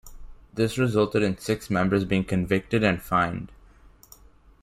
This resulted in six members being convicted and fined.